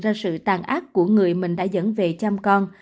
ra sự tàn ác của người mình đã dẫn về chăm con